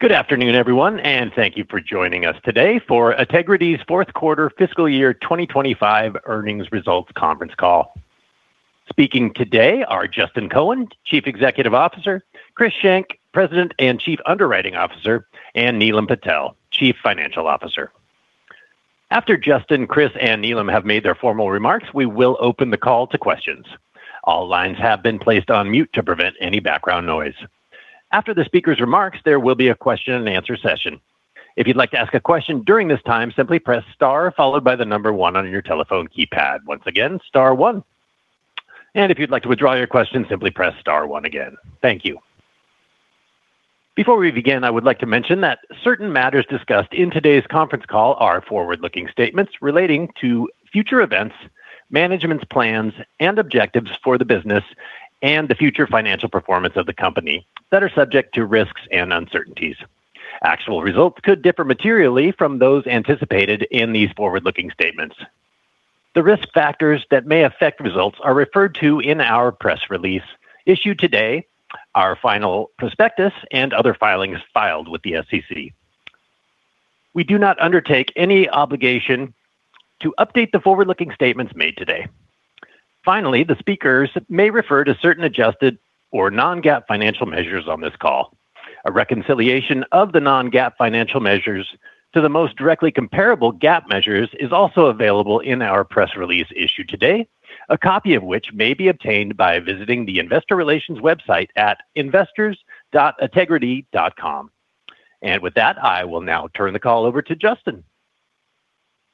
Good afternoon, everyone, and thank you for joining us today for Ategrity's fourth quarter fiscal year 2025 earnings results conference call. Speaking today are Justin Cohen, Chief Executive Officer, Chris Schenk, President and Chief Underwriting Officer, and Neelam Patel, Chief Financial Officer. After Justin, Chris, and Neelam have made their formal remarks, we will open the call to questions. All lines have been placed on mute to prevent any background noise. After the speaker's remarks, there will be a question-and-answer session. If you'd like to ask a question during this time, simply press star followed by the number one on your telephone keypad. Once again, star one. And if you'd like to withdraw your question, simply press star one again. Thank you. Before we begin, I would like to mention that certain matters discussed in today's conference call are forward-looking statements relating to future events, management's plans and objectives for the business, and the future financial performance of the company that are subject to risks and uncertainties. Actual results could differ materially from those anticipated in these forward-looking statements. The risk factors that may affect results are referred to in our press release issued today, our final prospectus, and other filings filed with the SEC. We do not undertake any obligation to update the forward-looking statements made today. Finally, the speakers may refer to certain adjusted or non-GAAP financial measures on this call. A reconciliation of the non-GAAP financial measures to the most directly comparable GAAP measures is also available in our press release issued today, a copy of which may be obtained by visiting the investor relations website at investors.ategrity.com. And with that, I will now turn the call over to Justin.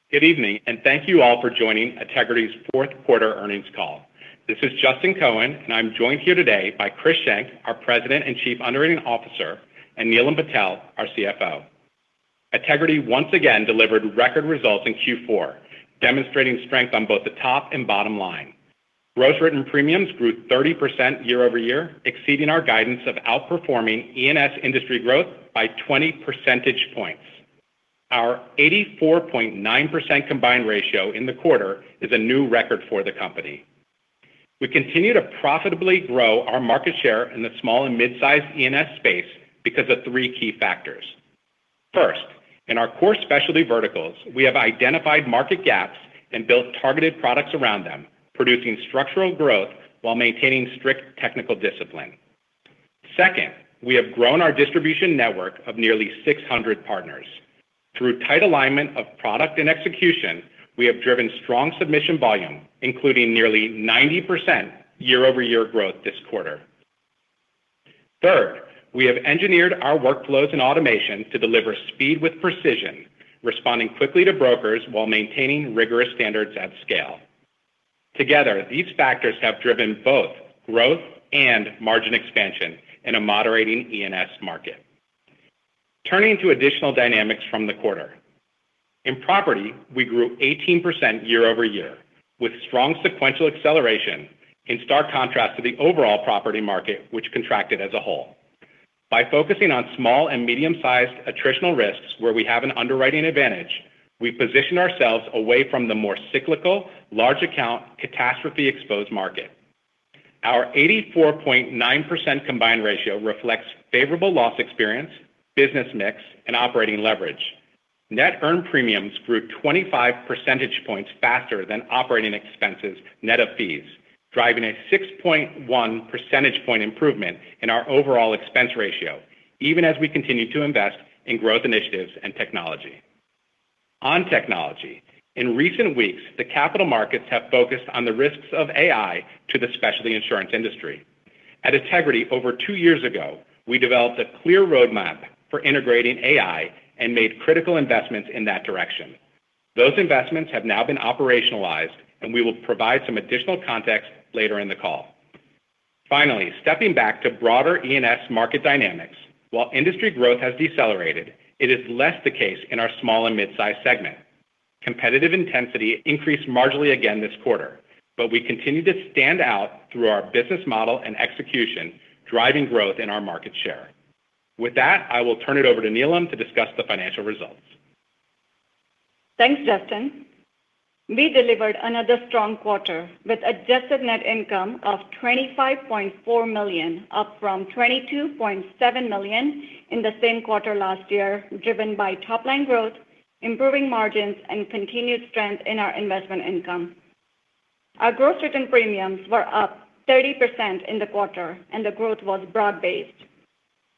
Good evening and thank you all for joining Ategrity's fourth quarter earnings call. This is Justin Cohen, and I'm joined here today by Chris Schenk, our President and Chief Underwriting Officer, and Neelam Patel, our CFO. Ategrity once again delivered record results in fourth quarter, demonstrating strength on both the top and bottom line. Gross written premiums grew 30% year over year, exceeding our guidance of outperforming E&S industry growth by 20 percentage points. Our 84.9% combined ratio in the quarter is a new record for the company. We continue to profitably grow our market share in the small and mid-sized E&S space because of three key factors. First, in our core specialty verticals, we have identified market gaps and built targeted products around them, producing structural growth while maintaining strict technical discipline. Second, we have grown our distribution network of nearly 600 partners. Through tight alignment of product and execution, we have driven strong submission volume, including nearly 90% year-over-year growth this quarter. Third, we have engineered our workflows and automation to deliver speed with precision, responding quickly to brokers while maintaining rigorous standards at scale. Together, these factors have driven both growth and margin expansion in a moderating E&S market. Turning to additional dynamics from the quarter. In property, we grew 18% year-over-year, with strong sequential acceleration in stark contrast to the overall property market, which contracted as a whole. By focusing on small and medium-sized attritional risks where we have an underwriting advantage, we position ourselves away from the more cyclical, large account, catastrophe-exposed market. Our 84.9% combined ratio reflects favorable loss experience, business mix, and operating leverage. Net earned premiums grew 25 percentage points faster than operating expenses net of fees, driving a 6.1 percentage point improvement in our overall expense ratio, even as we continue to invest in growth initiatives and technology. On technology, in recent weeks, the capital markets have focused on the risks of AI to the specialty insurance industry. At Ategrity, over two years ago, we developed a clear roadmap for integrating AI and made critical investments in that direction. Those investments have now been operationalized, and we will provide some additional context later in the call. Finally, stepping back to broader E&S market dynamics. While industry growth has decelerated, it is less the case in our small and mid-sized segment. Competitive intensity increased marginally again this quarter, but we continue to stand out through our business model and execution, driving growth in our market share. With that, I will turn it over to Neelam to discuss the financial results. Thanks, Justin. We delivered another strong quarter with adjusted net income of $25.4 million, up from $22.7 million in the same quarter last year, driven by top-line growth, improving margins, and continued strength in our investment income. Our gross written premiums were up 30% in the quarter, and the growth was broad-based.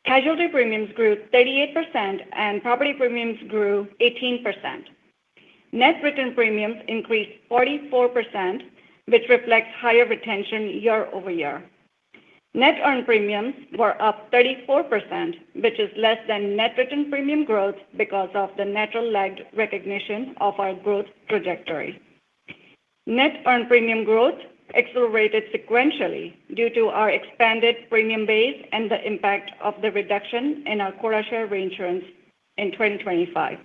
Casualty premiums grew 38% and property premiums grew 18%. Net written premiums increased 44%, which reflects higher retention year over year. Net earned premiums were up 34%, which is less than net written premium growth because of the natural lagged recognition of our growth trajectory. Net earned premium growth accelerated sequentially due to our expanded premium base and the impact of the reduction in our quota share reinsurance in 2025.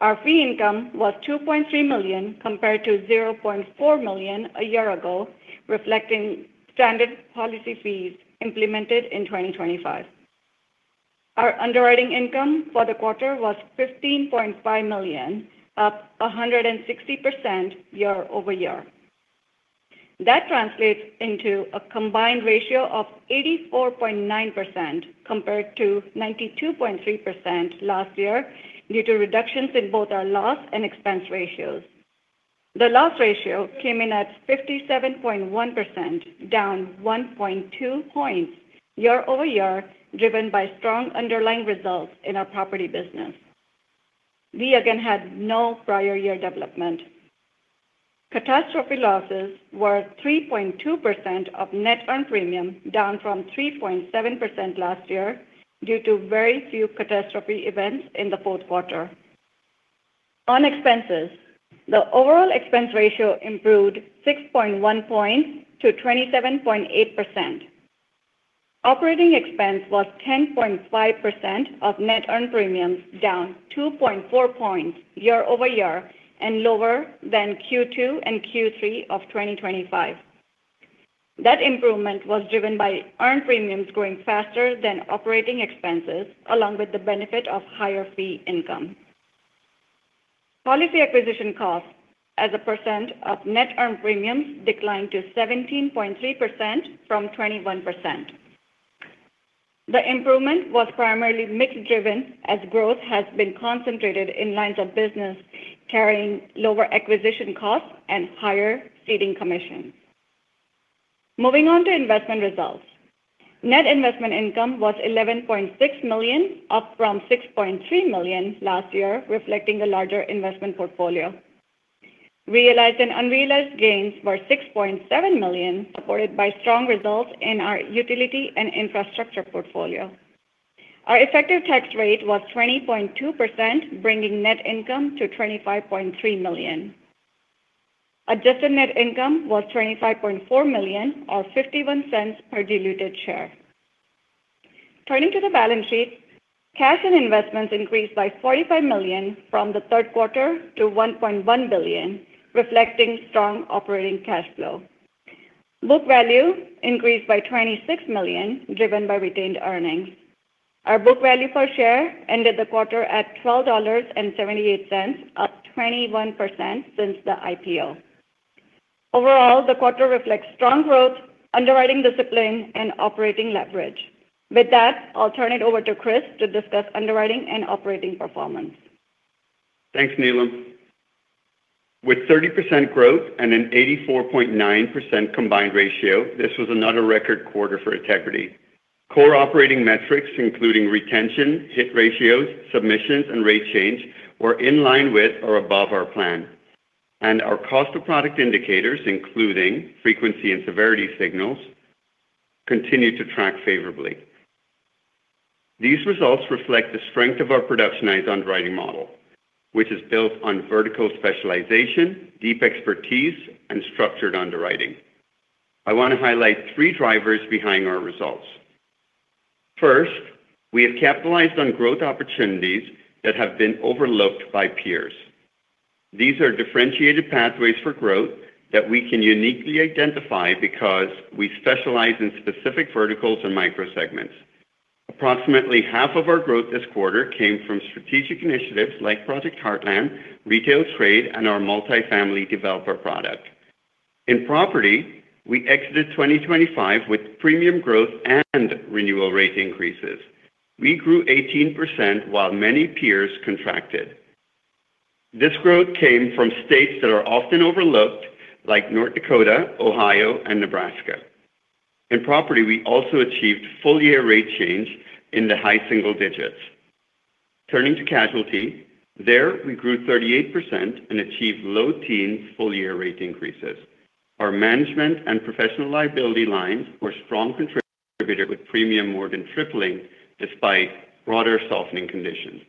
Our fee income was $2.3 million, compared to $0.4 million a year ago, reflecting standard policy fees implemented in 2025. Our underwriting income for the quarter was $15.5 million, up 160% year-over-year.... That translates into a combined ratio of 84.9%, compared to 92.3% last year, due to reductions in both our loss and expense ratios. The loss ratio came in at 57.1%, down 1.2 points year-over-year, driven by strong underlying results in our property business. We again had no prior year development. Catastrophe losses were 3.2% of net earned premium, down from 3.7% last year, due to very few catastrophe events in the fourth quarter. On expenses, the overall expense ratio improved 6.1 points to 27.8%. Operating expense was 10.5% of net earned premiums, down 2.4 points year-over-year, and lower than second quarter and third quarter of 2025. That improvement was driven by earned premiums growing faster than operating expenses, along with the benefit of higher fee income. Policy acquisition costs as a percent of net earned premiums declined to 17.3% from 21%. The improvement was primarily mix-driven, as growth has been concentrated in lines of business carrying lower acquisition costs and higher ceding commissions. Moving on to investment results. Net investment income was $11.6 million, up from $6.3 million last year, reflecting a larger investment portfolio. Realized and unrealized gains were $6.7 million, supported by strong results in our utility and infrastructure portfolio. Our effective tax rate was 20.2%, bringing net income to $25.3 million. Adjusted net income was $25.4 million, or $0.51 per diluted share. Turning to the balance sheet, cash and investments increased by $45 million from the third quarter to $1.1 billion, reflecting strong operating cash flow. Book value increased by $26 million, driven by retained earnings. Our book value per share ended the quarter at $12.78, up 21% since the IPO. Overall, the quarter reflects strong growth, underwriting discipline, and operating leverage. With that, I'll turn it over to Chris to discuss underwriting and operating performance. Thanks, Neelam. With 30% growth and an 84.9% combined ratio, this was another record quarter for Ategrity. Core operating metrics, including retention, hit ratios, submissions, and rate change, were in line with or above our plan. Our cost of product indicators, including frequency and severity signals, continued to track favorably. These results reflect the strength of our productionized underwriting model, which is built on vertical specialization, deep expertise, and structured underwriting. I want to highlight three drivers behind our results. First, we have capitalized on growth opportunities that have been overlooked by peers. These are differentiated pathways for growth that we can uniquely identify because we specialize in specific verticals and microsegments. Approximately half of our growth this quarter came from strategic initiatives like Project Heartland, retail trade, and our multifamily developer product. In property, we exited 2025 with premium growth and renewal rate increases. We grew 18% while many peers contracted. This growth came from states that are often overlooked, like North Dakota, Ohio, and Nebraska. In property, we also achieved full-year rate change in the high single digits. Turning to casualty, there we grew 38% and achieved low teen full-year rate increases. Our management and professional liability lines were strong contributor, with premium more than tripling despite broader softening conditions.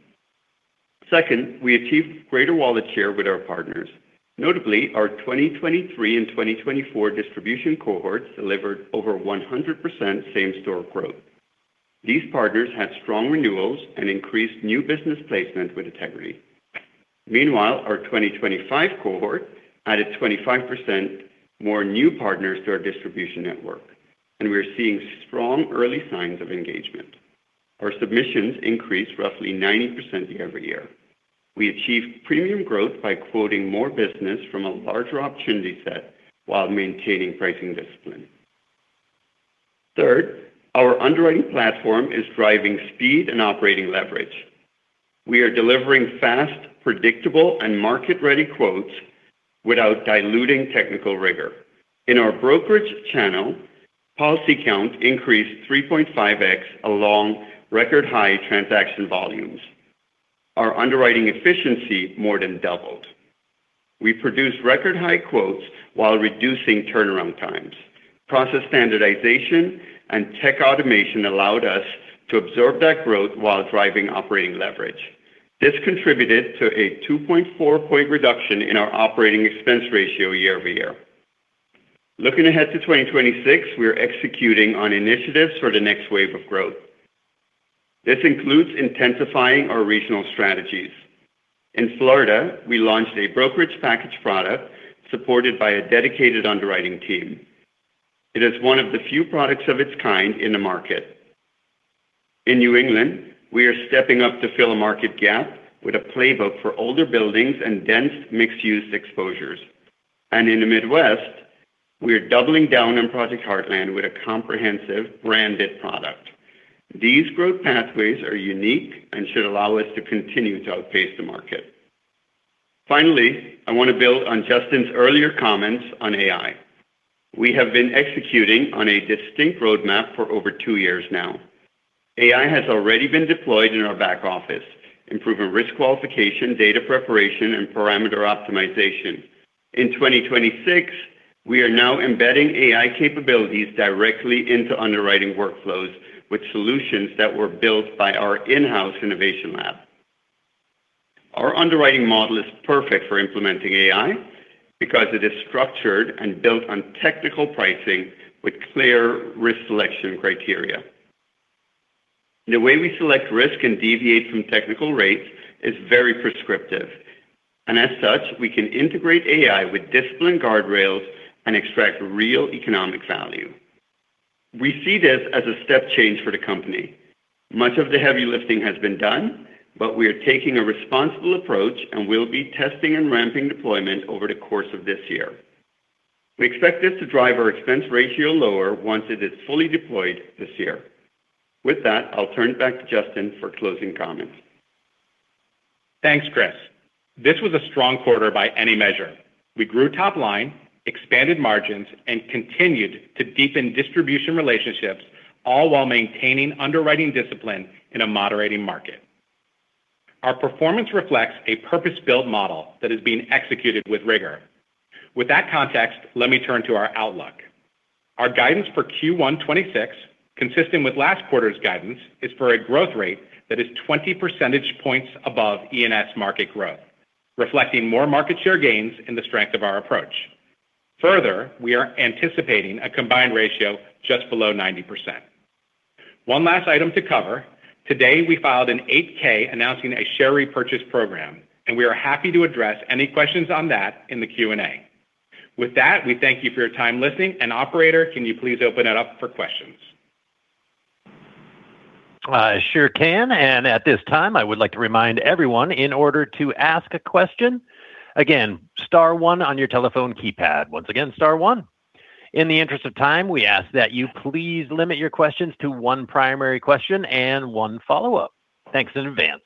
Second, we achieved greater wallet share with our partners. Notably, our 2023 and 2024 distribution cohorts delivered over 100% same-store growth. These partners had strong renewals and increased new business placement with Ategrity. Meanwhile, our 2025 cohort added 25% more new partners to our distribution network, and we are seeing strong early signs of engagement. Our submissions increased roughly 90% year over year. We achieved premium growth by quoting more business from a larger opportunity set while maintaining pricing discipline. Third, our underwriting platform is driving speed and operating leverage. We are delivering fast, predictable, and market-ready quotes without diluting technical rigor. In our brokerage channel, policy count increased 3.5x along record high transaction volumes. Our underwriting efficiency more than doubled. We produced record high quotes while reducing turnaround times. Process standardization and tech automation allowed us to absorb that growth while driving operating leverage. This contributed to a 2.4-point reduction in our operating expense ratio year over year. Looking ahead to 2026, we are executing on initiatives for the next wave of growth. This includes intensifying our regional strategies. In Florida, we launched a brokerage package product supported by a dedicated underwriting team. It is one of the few products of its kind in the market. In New England, we are stepping up to fill a market gap with a playbook for older buildings and dense mixed-use exposures. In the Midwest, we are doubling down on Project Heartland with a comprehensive branded product. These growth pathways are unique and should allow us to continue to outpace the market. Finally, I want to build on Justin's earlier comments on AI. We have been executing on a distinct roadmap for over two years now. AI has already been deployed in our back office, improving risk qualification, data preparation, and parameter optimization. In 2026, we are now embedding AI capabilities directly into underwriting workflows with solutions that were built by our in-house innovation lab. Our underwriting model is perfect for implementing AI because it is structured and built on technical pricing with clear risk selection criteria. The way we select risk and deviate from technical rates is very prescriptive, and as such, we can integrate AI with disciplined guardrails and extract real economic value. We see this as a step change for the company. Much of the heavy lifting has been done, but we are taking a responsible approach, and we'll be testing and ramping deployment over the course of this year. We expect this to drive our expense ratio lower once it is fully deployed this year. With that, I'll turn it back to Justin for closing comments. Thanks, Chris. This was a strong quarter by any measure. We grew top line, expanded margins, and continued to deepen distribution relationships, all while maintaining underwriting discipline in a moderating market. Our performance reflects a purpose-built model that is being executed with rigor. With that context, let me turn to our outlook. Our guidance for first quarter 2026, consistent with last quarter's guidance, is for a growth rate that is 20 percentage points above E&S market growth, reflecting more market share gains in the strength of our approach. Further, we are anticipating a combined ratio just below 90%. One last item to cover. Today, we filed an 8-K announcing a share repurchase program, and we are happy to address any questions on that in the Q&A. With that, we thank you for your time listening. And Operator, can you please open it up for questions? I sure can, and at this time, I would like to remind everyone in order to ask a question, again, star one on your telephone keypad. Once again, star one. In the interest of time, we ask that you please limit your questions to one primary question and one follow-up. Thanks in advance,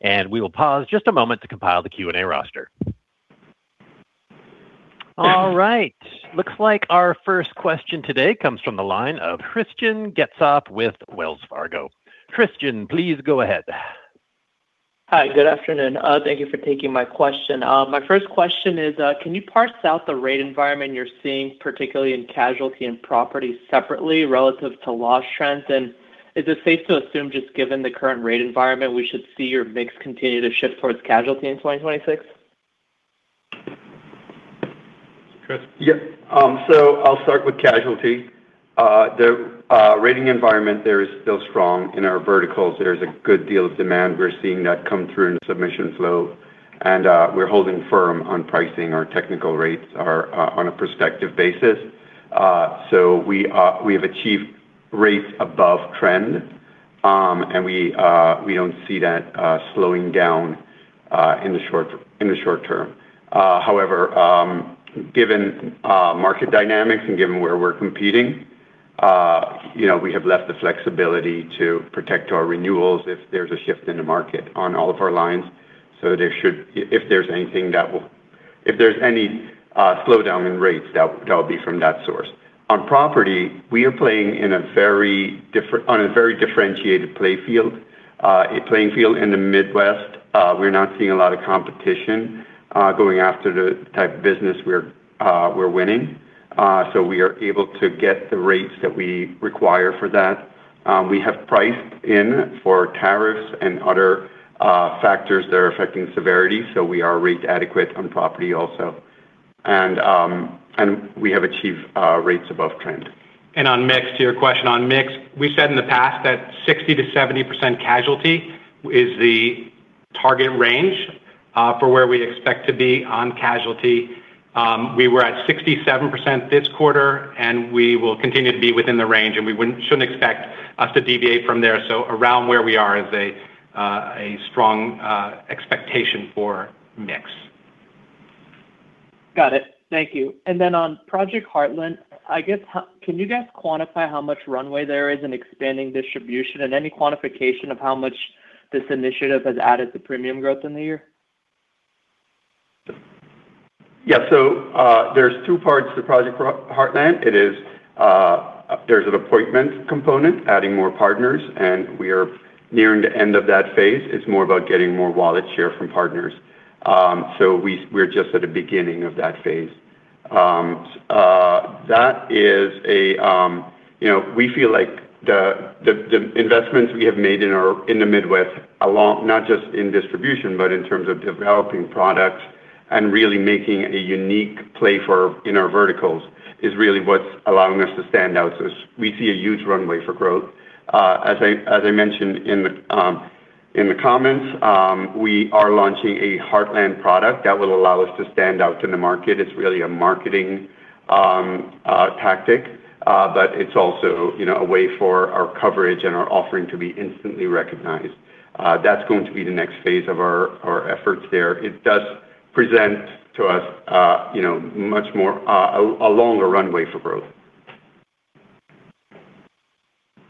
and we will pause just a moment to compile the Q&A roster. All right. Looks like our first question today comes from the line of Christian Getzoff with Wells Fargo. Christian, please go ahead. Hi, good afternoon. Thank you for taking my question. My first question is, can you parse out the rate environment you're seeing, particularly in casualty and property, separately relative to loss trends? And is it safe to assume, just given the current rate environment, we should see your mix continue to shift towards casualty in 2026? Chris? Yeah, so I'll start with casualty. The rating environment there is still strong in our verticals. There's a good deal of demand. We're seeing that come through in the submission flow, and we're holding firm on pricing. Our technical rates are on a prospective basis. So we have achieved rates above trend, and we don't see that slowing down in the short term. However, given market dynamics and given where we're competing, you know, we have left the flexibility to protect our renewals if there's a shift in the market on all of our lines. So if there's any slowdown in rates, that would be from that source. On property, we are playing in a very differentiated playing field in the Midwest. We're not seeing a lot of competition going after the type of business we're winning, so we are able to get the rates that we require for that. We have priced in for tariffs and other factors that are affecting severity, so we are rate adequate on property also. And we have achieved rates above trend. And on mix, to your question on mix, we've said in the past that 60% to 70% casualty is the target range for where we expect to be on casualty. We were at 67% this quarter, and we will continue to be within the range, and we shouldn't expect us to deviate from there. So around where we are is a strong expectation for mix. Got it. Thank you. And then on Project Heartland, I guess, how can you guys quantify how much runway there is in expanding distribution and any quantification of how much this initiative has added to premium growth in the year? Yeah. So, there's two parts to Project Heartland. It is, there's an appointment component, adding more partners, and we are nearing the end of that phase. It's more about getting more wallet share from partners. So, we, we're just at the beginning of that phase. That is a... you know, we feel like the, the, the investments we have made in our... in the Midwest, along... not just in distribution, but in terms of developing products and really making a unique play for in our verticals, is really what's allowing us to stand out. So, we see a huge runway for growth. As I mentioned in the comments, we are launching a heartland product that will allow us to stand out in the market. It's really a marketing tactic, but it's also, you know, a way for our coverage and our offering to be instantly recognized. That's going to be the next phase of our efforts there. It does present to us, you know, much more, a longer runway for growth.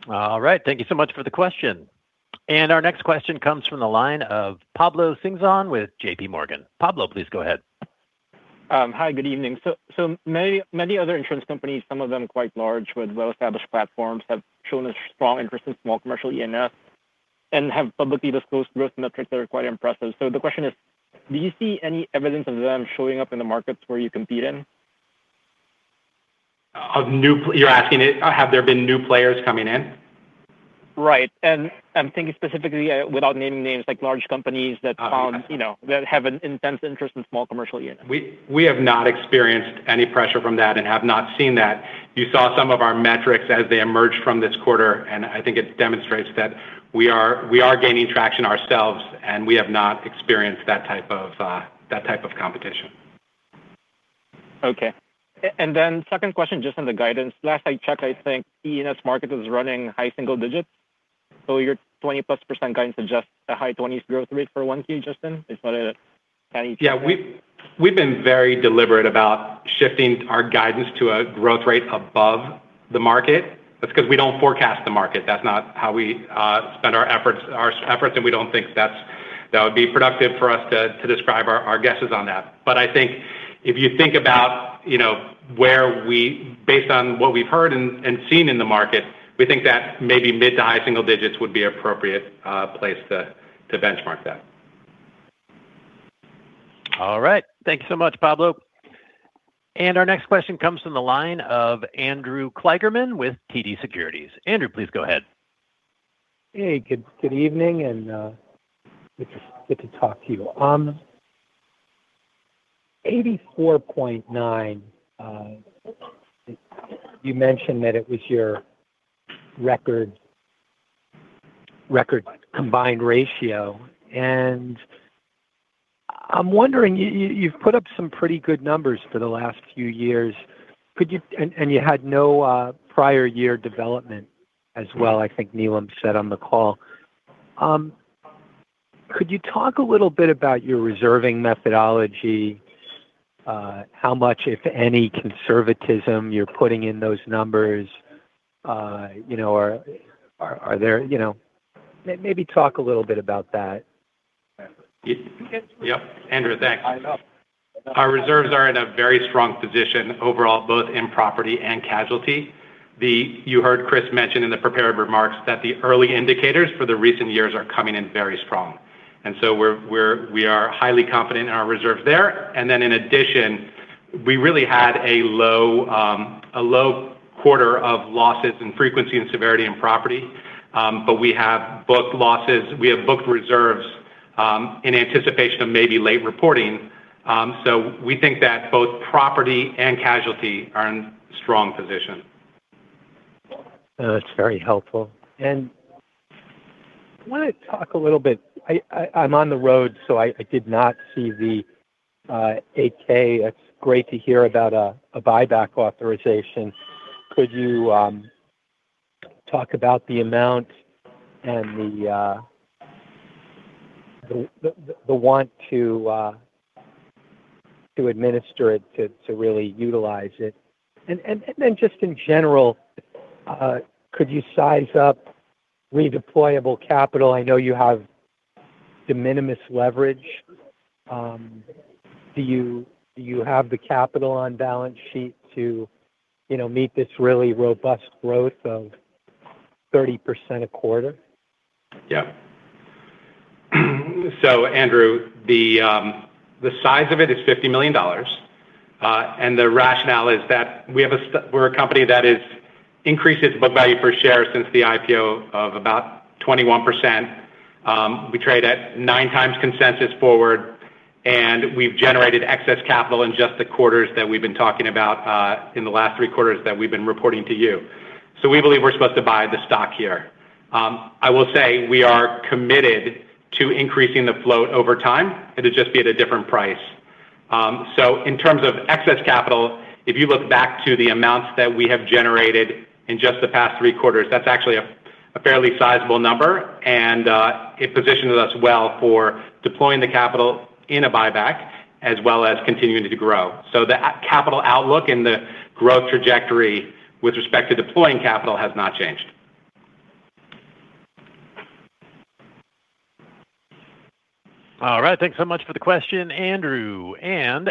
All right. Thank you so much for the question. Our next question comes from the line of Pablo Singzon with JPMorgan. Pablo, please go ahead. Hi, good evening. So, so many, many other insurance companies, some of them quite large with well-established platforms, have shown a strong interest in small commercial E&S and have publicly disclosed growth metrics that are quite impressive. The question is: do you see any evidence of them showing up in the markets where you compete in? You're asking, have there been new players coming in? Right. And I'm thinking specifically, without naming names, like large companies that, you know, that have an intense interest in small commercial units. We have not experienced any pressure from that and have not seen that. You saw some of our metrics as they emerged from this quarter, and I think it demonstrates that we are gaining traction ourselves, and we have not experienced that type of competition. Okay. And then second question, just on the guidance. Last I checked, I think E&S market was running high single digits, so your 20% plus guidance is just a high 20s growth rate for first quarter, Justin? Is what it, kind of... Yeah, we've been very deliberate about shifting our guidance to a growth rate above the market. That's cause we don't forecast the market. That's not how we spend our efforts, and we don't think that would be productive for us to describe our guesses on that. But I think if you think about, you know, where we-- based on what we've heard and seen in the market, we think that maybe mid to high single digits would be appropriate place to benchmark that. All right. Thank you so much, Pablo. Our next question comes from the line of Andrew Kligerman with TD Securities. Andrew, please go ahead. Hey, good evening, and good to talk to you. 84.9, you mentioned that it was your record combined ratio, and I'm wondering, you've put up some pretty good numbers for the last few years. Could you... and you had no prior year development as well, I think Neelam said on the call. Could you talk a little bit about your reserving methodology, how much, if any, conservatism you're putting in those numbers? You know, are there, you know... Maybe talk a little bit about that. Yep, Andrew, thanks. Our reserves are in a very strong position overall, both in property and casualty. You heard Chris mention in the prepared remarks that the early indicators for the recent years are coming in very strong, and so we're, we're, we are highly confident in our reserves there. And then in addition, we really had a low, a low quarter of losses in frequency and severity in property. But we have booked losses, we have booked reserves, in anticipation of maybe late reporting. So, we think that both property and casualty are in strong position. That's very helpful. I want to talk a little bit. I'm on the road, so I did not see the 8-K. It's great to hear about a buyback authorization. Could you talk about the amount and the want to administer it, to really utilize it? And then just in general, could you size up redeployable capital? I know you have de minimis leverage. Do you have the capital on balance sheet to meet this really robust growth of 30% a quarter? Yeah. So, Andrew, the size of it is $50 million. The rationale is that we're a company that increases book value per share since the IPO of about 21%. We trade at nine times consensus forward, and we've generated excess capital in just the quarters that we've been talking about, in the last three quarters that we've been reporting to you. So, we believe we're supposed to buy the stock here. I will say, we are committed to increasing the float over time. It'll just be at a different price. So, in terms of excess capital, if you look back to the amounts that we have generated in just the past three quarters, that's actually a fairly sizable number, and it positions us well for deploying the capital in a buyback as well as continuing to grow. So, the Ategrity capital outlook and the growth trajectory with respect to deploying capital has not changed. All right. Thanks so much for the question, Andrew.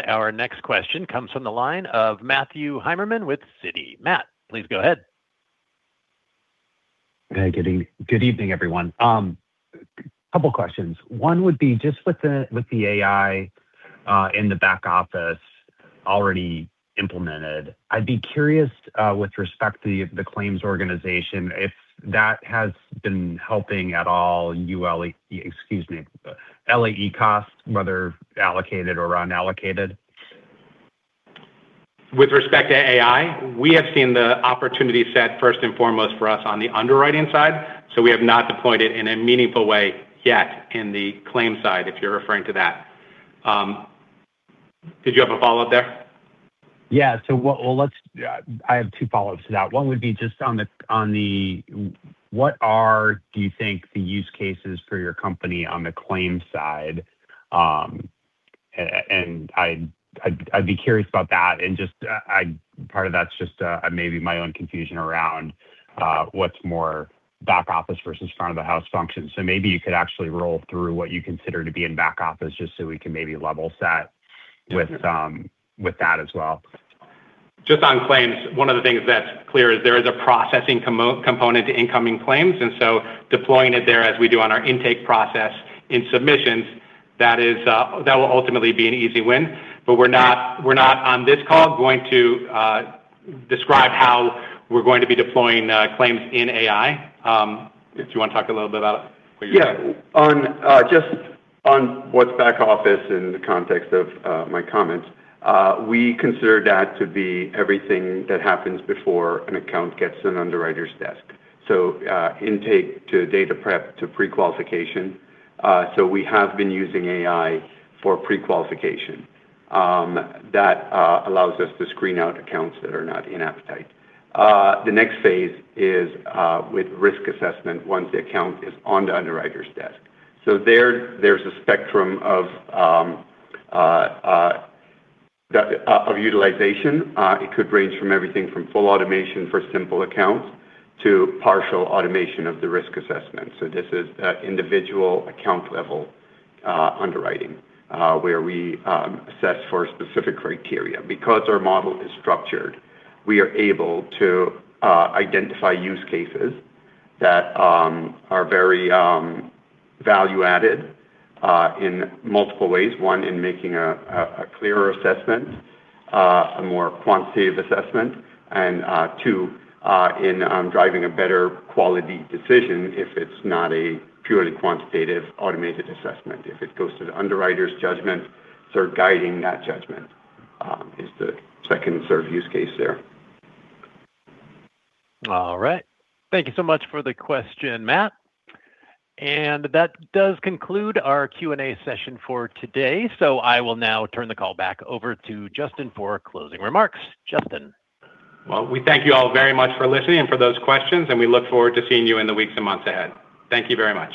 Our next question comes from the line of Matthew Heimermann with Citi. Matt, please go ahead. Hey, good evening, everyone. A couple questions. One would be just with the, with the AI in the back office already implemented, I'd be curious with respect to the, the claims organization, if that has been helping at all, UE, excuse me, LAE cost, whether allocated or unallocated? With respect to AI, we have seen the opportunity set first and foremost for us on the underwriting side, so we have not deployed it in a meaningful way yet in the claim side, if you're referring to that. Did you have a follow-up there? Yeah. So, what-- well, let's-- I have two follow-ups to that. One would be just on the, on the w- what are, do you think, the use cases for your company on the claims side? And I'd be curious about that. And just, I-- part of that's just, maybe my own confusion around, what's more back office versus front of the house function. So maybe you could actually roll through what you consider to be in back office, just so we can maybe level set with, with that as well. Just on claims, one of the things that's clear is there is a processing component to incoming claims and so deploying it there as we do on our intake process in submissions, that is, that will ultimately be an easy win. But we're not, we're not on this call going to describe how we're going to be deploying claims in AI. If you want to talk a little bit about it? Yeah. On, just on what's back office in the context of, my comments, we consider that to be everything that happens before an account gets to an underwriter's desk. So, intake to data prep to pre-qualification. So, we have been using AI for pre-qualification. That allows us to screen out accounts that are not in appetite. The next phase is, with risk assessment once the account is on the underwriter's desk. So there, there's a spectrum of, of utilization. It could range from everything from full automation for simple accounts to partial automation of the risk assessment. So, this is, individual account level, underwriting, where we, assess for specific criteria. Because our model is structured, we are able to, identify use cases that, are very, value-added, in multiple ways. One, in making a clearer assessment, a more quantitative assessment. Two, in driving a better-quality decision if it's not a purely quantitative automated assessment. If it goes to the underwriter's judgment, so guiding that judgment, is the second sort of use case there. All right. Thank you so much for the question, Matt. And that does conclude our Q&A session for today. So, I will now turn the call back over to Justin for closing remarks. Justin? Well, we thank you all very much for listening and for those questions, and we look forward to seeing you in the weeks and months ahead. Thank you very much.